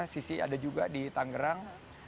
sisi ada juga di tangerang